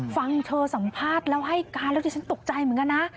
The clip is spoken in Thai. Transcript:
ฟังเธอสัมภาษณ์แล้วให้การแล้วที่ฉันตกใจเหมือนกันนะ